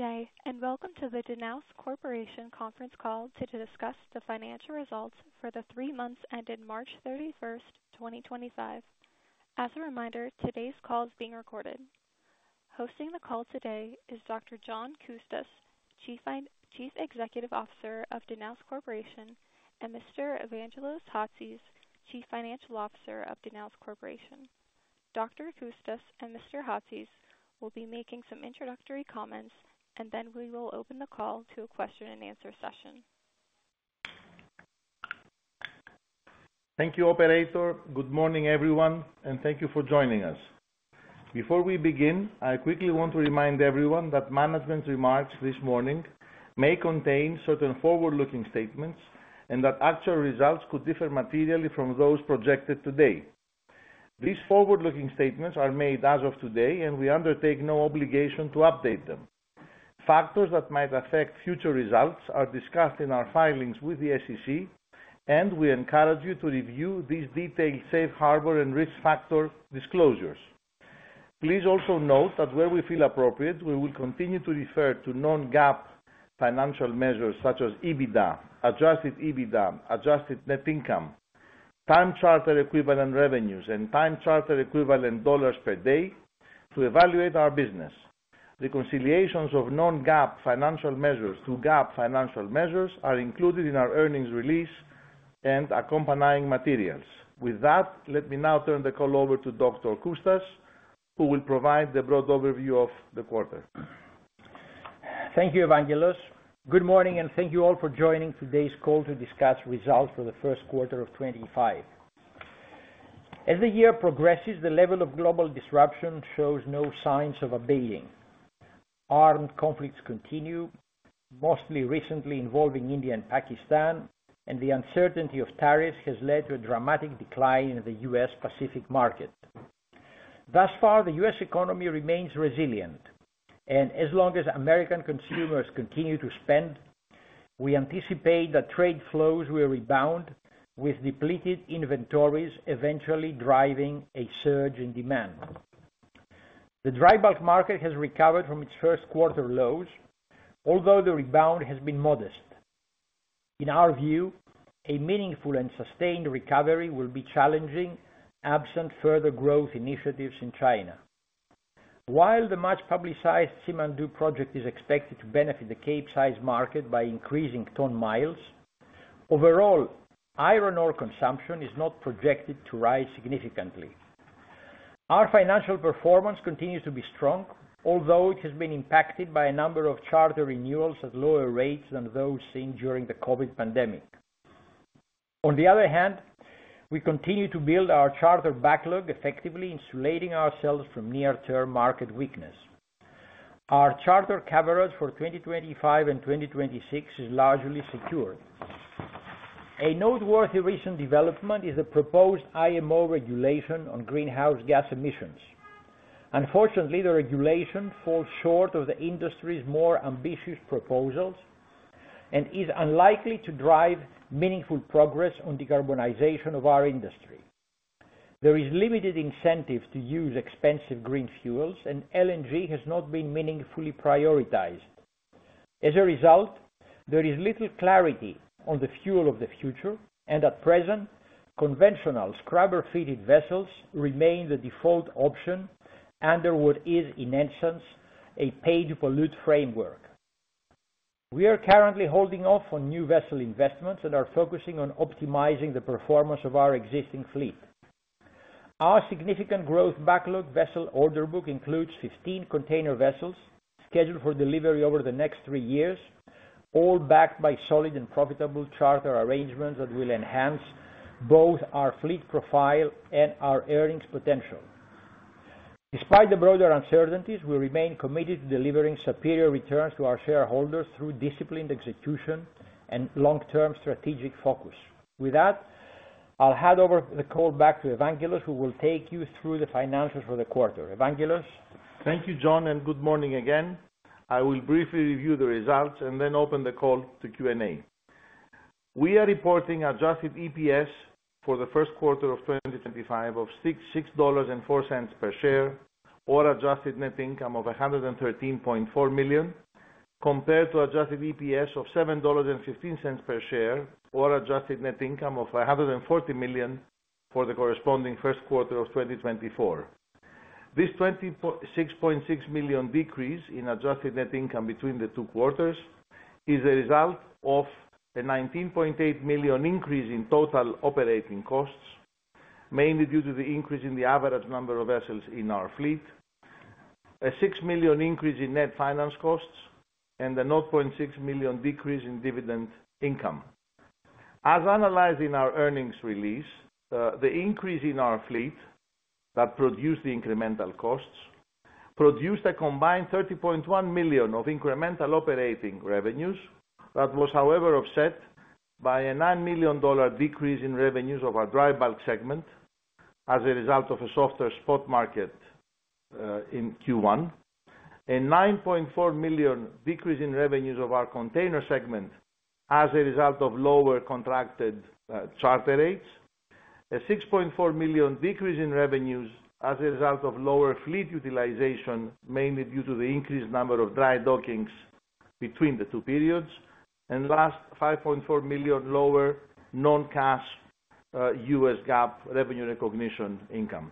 Good day, and welcome to the Danaos Corporation conference call to discuss the financial results for the three months ending March 31, 2025. As a reminder, today's call is being recorded. Hosting the call today is Dr. John Coustas, Chief Executive Officer of Danaos Corporation, and Mr. Evangelos Chatzis, Chief Financial Officer of Danaos Corporation. Dr. Coustas and Mr. Chatzis will be making some introductory comments, and then we will open the call to a question-and-answer session. Thank you, Operator. Good morning, everyone, and thank you for joining us. Before we begin, I quickly want to remind everyone that management's remarks this morning may contain certain forward-looking statements and that actual results could differ materially from those projected today. These forward-looking statements are made as of today, and we undertake no obligation to update them. Factors that might affect future results are discussed in our filings with the SEC, and we encourage you to review these detailed safe harbor and risk factor disclosures. Please also note that where we feel appropriate, we will continue to refer to non-GAAP financial measures such as EBITDA, adjusted EBITDA, adjusted net income, time-charter equivalent revenues, and time-charter equivalent dollars per day to evaluate our business. Reconciliations of non-GAAP financial measures to GAAP financial measures are included in our earnings release and accompanying materials. With that, let me now turn the call over to Dr. Coustas, who will provide the broad overview of the quarter. Thank you, Evangelos. Good morning, and thank you all for joining today's call to discuss results for the first quarter of 2025. As the year progresses, the level of global disruption shows no signs of abating. Armed conflicts continue, most recently involving India and Pakistan, and the uncertainty of tariffs has led to a dramatic decline in the U.S. Pacific market. Thus far, the U.S. economy remains resilient, and as long as American consumers continue to spend, we anticipate that trade flows will rebound, with depleted inventories eventually driving a surge in demand. The dry bulk market has recovered from its first quarter lows, although the rebound has been modest. In our view, a meaningful and sustained recovery will be challenging absent further growth initiatives in China. While the much-publicized Simandou project is expected to benefit the cape-sized market by increasing ton miles, overall iron ore consumption is not projected to rise significantly. Our financial performance continues to be strong, although it has been impacted by a number of charter renewals at lower rates than those seen during the COVID pandemic. On the other hand, we continue to build our charter backlog effectively, insulating ourselves from near-term market weakness. Our charter coverage for 2025 and 2026 is largely secured. A noteworthy recent development is the proposed IMO regulation on greenhouse gas emissions. Unfortunately, the regulation falls short of the industry's more ambitious proposals and is unlikely to drive meaningful progress on decarbonization of our industry. There is limited incentive to use expensive green fuels, and LNG has not been meaningfully prioritized. As a result, there is little clarity on the fuel of the future, and at present, conventional scrubber-feeded vessels remain the default option, and there is, in essence, a pay-to-pollute framework. We are currently holding off on new vessel investments and are focusing on optimizing the performance of our existing fleet. Our significant growth backlog vessel order book includes 15 container vessels scheduled for delivery over the next three years, all backed by solid and profitable charter arrangements that will enhance both our fleet profile and our earnings potential. Despite the broader uncertainties, we remain committed to delivering superior returns to our shareholders through disciplined execution and long-term strategic focus. With that, I'll hand over the call back to Evangelos, who will take you through the financials for the quarter. Evangelos. Thank you, John, and good morning again. I will briefly review the results and then open the call to Q&A. We are reporting adjusted EPS for the first quarter of 2025 of $6.04 per share, or adjusted net income of $113.4 million, compared to adjusted EPS of $7.15 per share, or adjusted net income of $140 million for the corresponding first quarter of 2024. This $26.6 million decrease in adjusted net income between the two quarters is the result of a $19.8 million increase in total operating costs, mainly due to the increase in the average number of vessels in our fleet, a $6 million increase in net finance costs, and a $0.6 million decrease in dividend income. As analyzed in our earnings release, the increase in our fleet that produced the incremental costs produced a combined $30.1 million of incremental operating revenues that was, however, offset by a $9 million decrease in revenues of our dry bulk segment as a result of a softer spot market in Q1, a $9.4 million decrease in revenues of our container segment as a result of lower contracted charter rates, a $6.4 million decrease in revenues as a result of lower fleet utilization, mainly due to the increased number of dry dockings between the two periods, and last, $5.4 million lower non-cash U.S. GAAP revenue recognition income.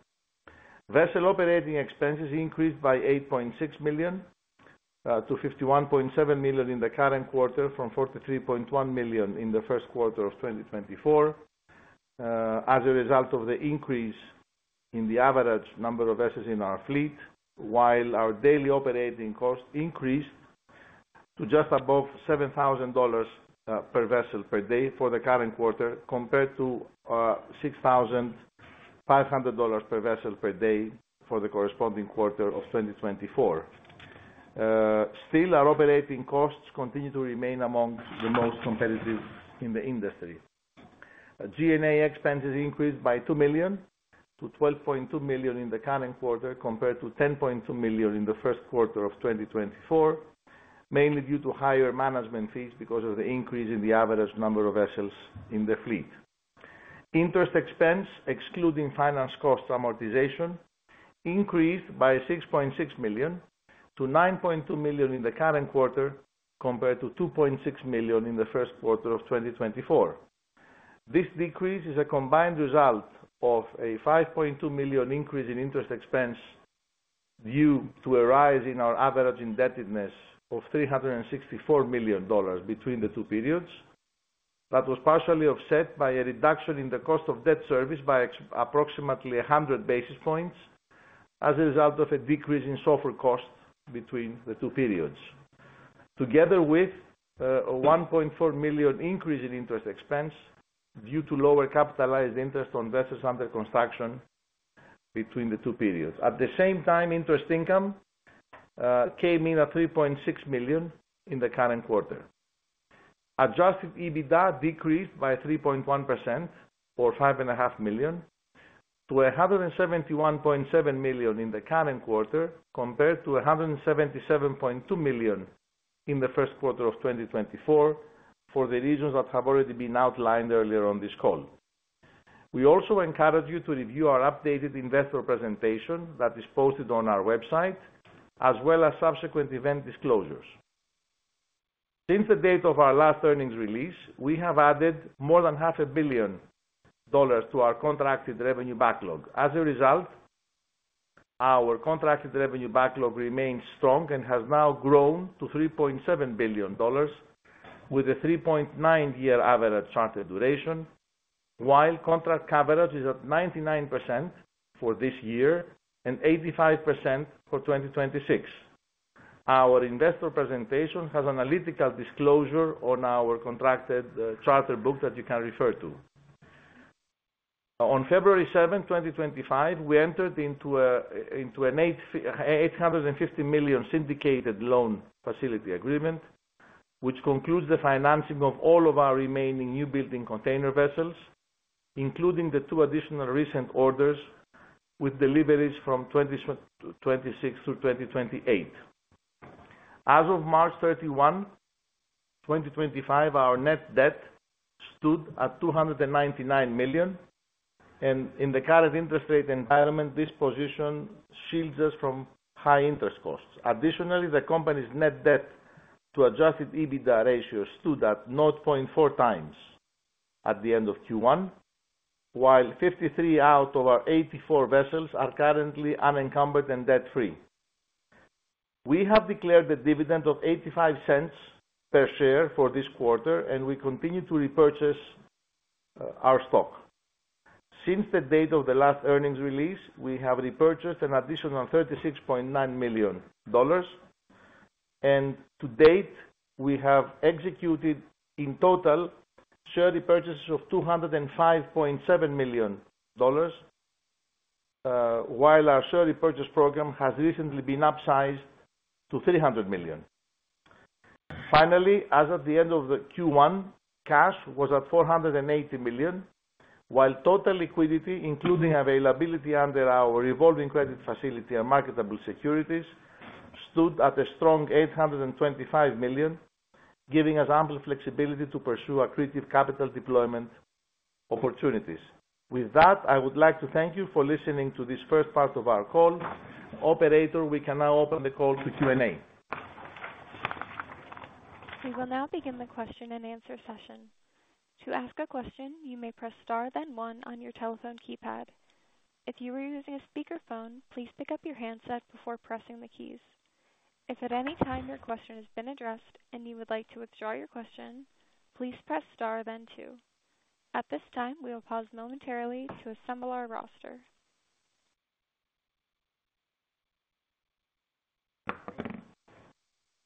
Vessel operating expenses increased by $8.6 million-$51.7 million in the current quarter from $43.1 million in the first quarter of 2024 as a result of the increase in the average number of vessels in our fleet, while our daily operating cost increased to just above $7,000 per vessel per day for the current quarter compared to $6,500 per vessel per day for the corresponding quarter of 2024. Still, our operating costs continue to remain among the most competitive in the industry. G&A expenses increased by $2 million-$12.2 million in the current quarter compared to $10.2 million in the first quarter of 2024, mainly due to higher management fees because of the increase in the average number of vessels in the fleet. Interest expense, excluding finance cost amortization, increased by $6.6 million-$9.2 million in the current quarter compared to $2.6 million in the first quarter of 2024. This decrease is a combined result of a $5.2 million increase in interest expense due to a rise in our average indebtedness of $364 million between the two periods that was partially offset by a reduction in the cost of debt service by approximately 100 basis points as a result of a decrease in software cost between the two periods, together with a $1.4 million increase in interest expense due to lower capitalized interest on vessels under construction between the two periods. At the same time, interest income came in at $3.6 million in the current quarter. Adjusted EBITDA decreased by 3.1% or $5.5 million-$171.7 million in the current quarter compared to $177.2 million in the first quarter of 2024 for the reasons that have already been outlined earlier on this call. We also encourage you to review our updated investor presentation that is posted on our website, as well as subsequent event disclosures. Since the date of our last earnings release, we have added more than $500 million to our contracted revenue backlog. As a result, our contracted revenue backlog remains strong and has now grown to $3.7 billion, with a 3.9-year average charter duration, while contract coverage is at 99% for this year and 85% for 2026. Our investor presentation has an analytical disclosure on our contracted charter book that you can refer to. On February 7, 2025, we entered into an $850 million syndicated loan facility agreement, which concludes the financing of all of our remaining newbuilding container vessels, including the two additional recent orders with deliveries from 2026 through 2028. As of March 31, 2025, our net debt stood at $299 million, and in the current interest rate environment, this position shields us from high interest costs. Additionally, the company's net debt to adjusted EBITDA ratio stood at 0.4x at the end of Q1, while 53 out of our 84 vessels are currently unencumbered and debt-free. We have declared a dividend of $0.85 per share for this quarter, and we continue to repurchase our stock. Since the date of the last earnings release, we have repurchased an additional $36.9 million, and to date, we have executed in total share repurchases of $205.7 million, while our share repurchase program has recently been upsized to $300 million. Finally, as at the end of Q1, cash was at $480 million, while total liquidity, including availability under our revolving credit facility and marketable securities, stood at a strong $825 million, giving us ample flexibility to pursue accretive capital deployment opportunities. With that, I would like to thank you for listening to this first part of our call. Operator, we can now open the call to Q&A. We will now begin the question and answer session. To ask a question, you may press star, then one on your telephone keypad. If you are using a speakerphone, please pick up your handset before pressing the keys. If at any time your question has been addressed and you would like to withdraw your question, please press star, then two. At this time, we will pause momentarily to assemble our roster.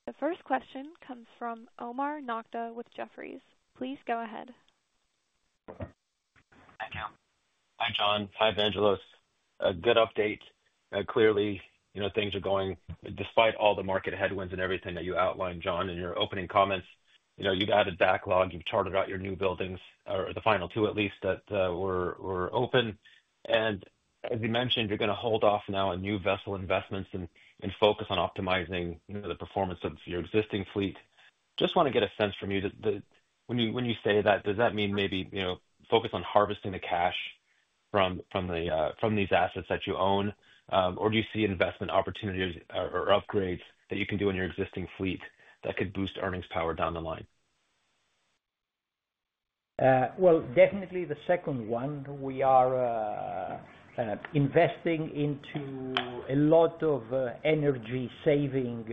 The first question comes from Omar Nokta with Jefferies. Please go ahead. Hi, John. Hi, Evangelos. Good update. Clearly, things are going despite all the market headwinds and everything that you outlined, John, in your opening comments. You've added backlog. You've chartered out your new buildings, or the final two at least, that were open. As you mentioned, you're going to hold off now on new vessel investments and focus on optimizing the performance of your existing fleet. I just want to get a sense from you. When you say that, does that mean maybe focus on harvesting the cash from these assets that you own, or do you see investment opportunities or upgrades that you can do in your existing fleet that could boost earnings power down the line? Definitely the second one. We are investing into a lot of energy-saving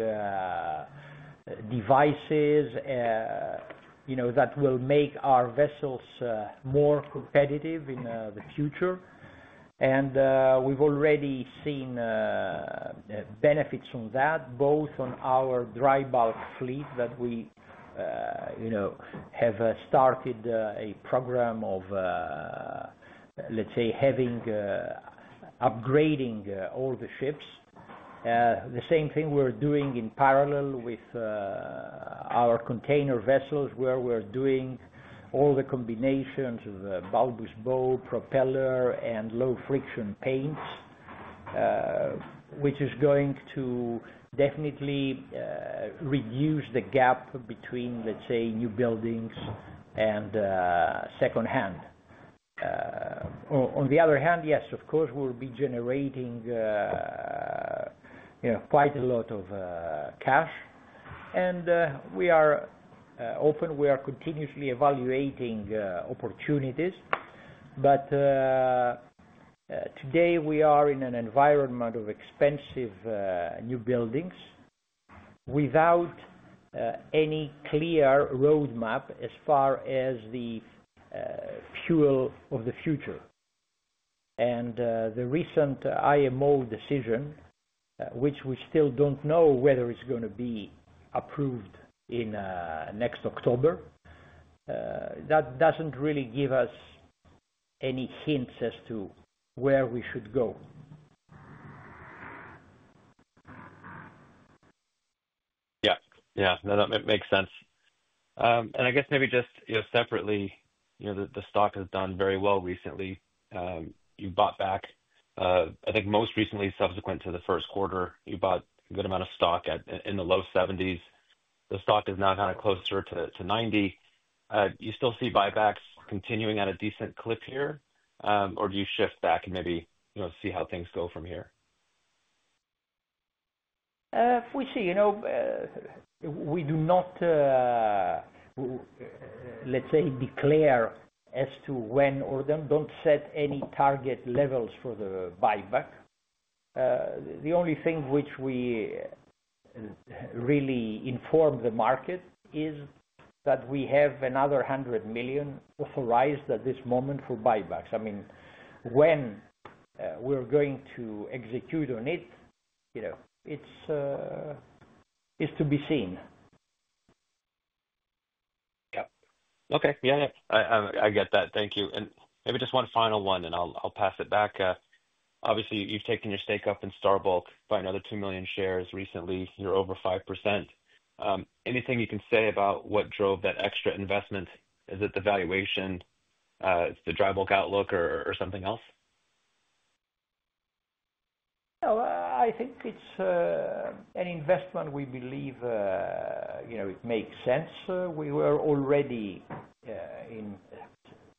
devices that will make our vessels more competitive in the future. We have already seen benefits on that, both on our dry bulk fleet that we have started a program of, let's say, upgrading all the ships. The same thing we are doing in parallel with our container vessels, where we are doing all the combinations of bulbous bow, propeller, and low-friction paints, which is going to definitely reduce the gap between, let's say, new buildings and secondhand. On the other hand, yes, of course, we will be generating quite a lot of cash. We are open. We are continuously evaluating opportunities. Today, we are in an environment of expensive new buildings without any clear roadmap as far as the fuel of the future. The recent IMO decision, which we still do not know whether it is going to be approved in next October, that does not really give us any hints as to where we should go. Yeah. Yeah. No, that makes sense. I guess maybe just separately, the stock has done very well recently. You bought back, I think most recently, subsequent to the first quarter, you bought a good amount of stock in the low $70s. The stock is now kind of closer to $90. You still see buybacks continuing at a decent clip here, or do you shift back and maybe see how things go from here? We see. We do not, let's say, declare as to when or don't set any target levels for the buyback. The only thing which we really inform the market is that we have another $100 million authorized at this moment for buybacks. I mean, when we're going to execute on it, it's to be seen. Yeah. Okay. Yeah. Yeah. I get that. Thank you. Maybe just one final one, and I'll pass it back. Obviously, you've taken your stake up in Star Bulk by another $2 million shares recently. You're over 5%. Anything you can say about what drove that extra investment? Is it the valuation, the dry bulk outlook, or something else? I think it's an investment we believe makes sense. We were already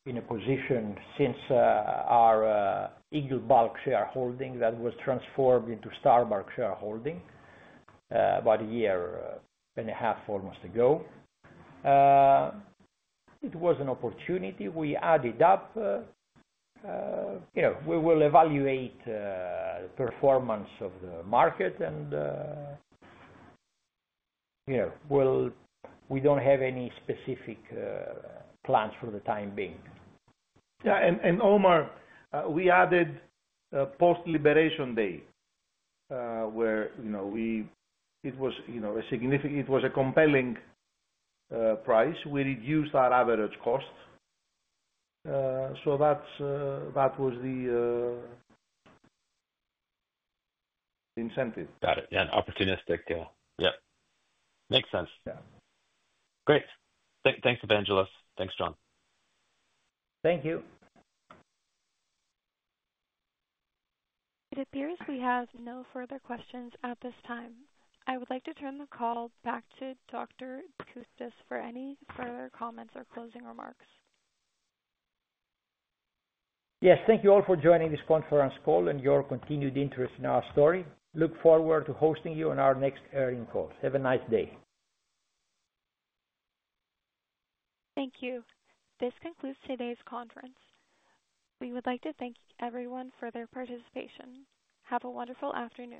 in a position since our Eagle Bulk shareholding that was transformed into Star Bulk shareholding about a year and a half almost ago. It was an opportunity. We added up. We will evaluate the performance of the market, and we don't have any specific plans for the time being. Yeah. Omar, we added post-liberation day where it was a compelling price. We reduced our average cost. That was the incentive. Got it. Yeah. Opportunistic. Yeah. Yeah. Makes sense. Great. Thanks, Evangelos. Thanks, John. Thank you. It appears we have no further questions at this time. I would like to turn the call back to Dr. Coustas for any further comments or closing remarks. Yes. Thank you all for joining this conference call and your continued interest in our story. Look forward to hosting you on our next earnings call. Have a nice day. Thank you. This concludes today's conference. We would like to thank everyone for their participation. Have a wonderful afternoon.